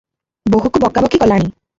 ବୋହୂକୁ ବକାବକି କଲାଣି ।